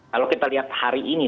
kalau kita lihat hari ini